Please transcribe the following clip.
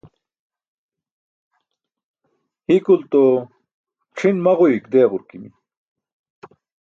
hikulto c̣ʰin maġuyuik deeġurqimi